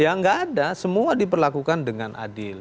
ya nggak ada semua diperlakukan dengan adil